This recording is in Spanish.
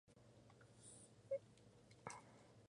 Rua logró llevarse la victoria por decisión dividida.